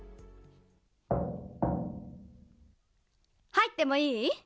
・はいってもいい？